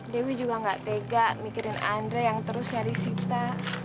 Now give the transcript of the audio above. dewi juga gak tega mikirin andre yang terus nyari sita